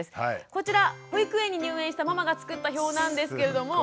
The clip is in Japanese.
こちら保育園に入園したママが作った表なんですけれども。